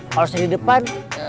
kalo saya di depan